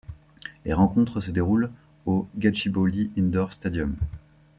Les rencontres se déroulent au Gachibowli Indoor Stadium.